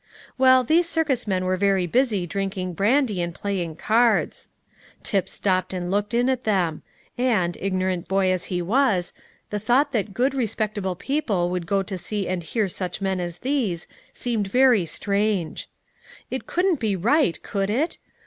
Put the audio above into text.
Well, these circus men were very busy drinking brandy and playing cards. Tip stopped and looked in at them; and, ignorant boy as he was, the thought that good, respectable people would go to see and hear such men as these, seemed very strange. It couldn't be right, could it?